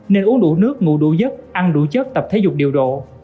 nên uống đủ nước ngủ đủ giấc ăn đủ chất tập thể dục điều độ